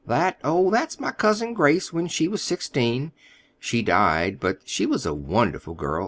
"That? Oh, that's my cousin Grace when she was sixteen. She died; but she was a wonderful girl.